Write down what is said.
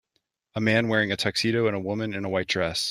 A man wearing a tuxedo and a woman in a white dress.